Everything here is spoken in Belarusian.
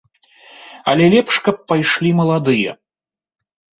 Але лепш, каб пайшлі маладыя.